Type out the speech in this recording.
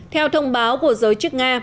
theo thông báo của giới chức nga